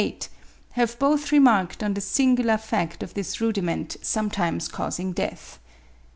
278), have both remarked on the singular fact of this rudiment sometimes causing death.)